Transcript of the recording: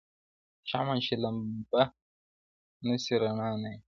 شمع چي لمبه نه سي رڼا نه وي-